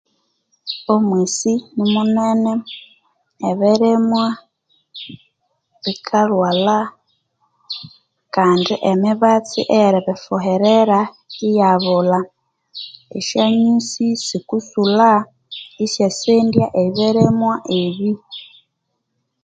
Omwisi nimunene ebirimwa bikalhwalha kandi emibatsi eyeribifuhirira iyabulha esyanyusi sikusulha isyasendya ebirimwa ebi